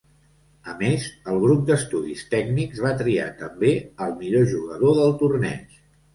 A més, el Grup d'Estudis Tècnics va triar també al millor jugador del torneig.